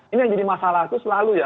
ini yang jadi masalah itu selalu ya